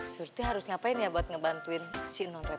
surti harus ngapain ya buat ngebantuin si non travel